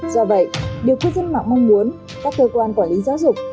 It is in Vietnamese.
do vậy điều cư dân mạng mong muốn các cơ quan quản lý giáo dục